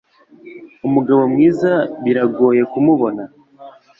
Umugabo mwiza biragoye kumubona